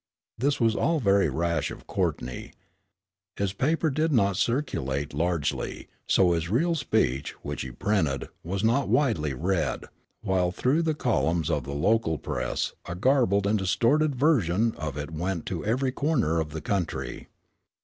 This was all very rash of Courtney. His paper did not circulate largely, so his real speech, which he printed, was not widely read, while through the columns of the local press, a garbled and distorted version of it went to every corner of the country.